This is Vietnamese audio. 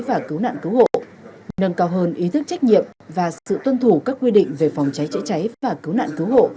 và cứu nạn cứu hộ nâng cao hơn ý thức trách nhiệm và sự tuân thủ các quy định về phòng cháy chữa cháy và cứu nạn cứu hộ